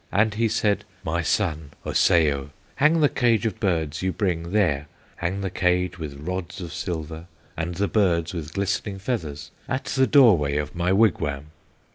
And he said: 'My son, Osseo, Hang the cage of birds you bring there, Hang the cage with rods of silver, And the birds with glistening feathers, At the doorway of my wigwam.